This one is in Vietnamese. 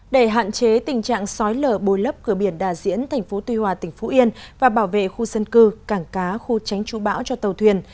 để hạn chế tình trạng sói lở bồi lấp cửa biển đà diễn tp tuy hòa tỉnh phú yên và bảo vệ khu dân cư cảng cá khu tránh chú bão cho tàu thuyền